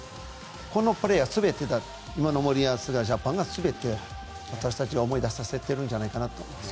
このプレーが全て今の森保ジャパンが全て私たちに思い出させてくれたんじゃないかと思います。